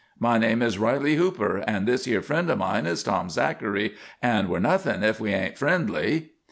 My name is Riley Hooper, and this yer friend o' mine is Tom Zachary, and we're nothin' if we ain't friendly."